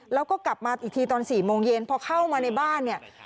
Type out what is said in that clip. แล้วก็กลับมาอีกทีตอน๔โมงเย็นพอเข้ามาในบ้านเนี่ย